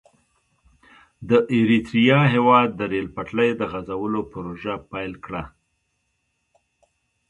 د اریتریا هېواد د ریل پټلۍ د غزولو پروژه پیل کړه.